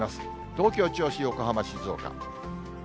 東京、銚子、横浜、静岡。